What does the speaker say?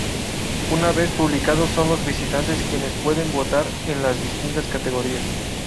Una vez publicados son los visitantes quienes pueden votar en las distintas categorías.